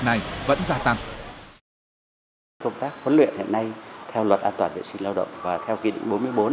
này vẫn gia tăng công tác huấn luyện hiện nay theo luật an toàn vệ sinh lao động và theo kỷ định